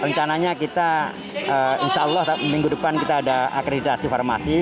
rencananya kita insya allah minggu depan kita ada akreditasi farmasi